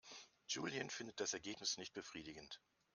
Julian findet das Ergebnis nicht befriedigend.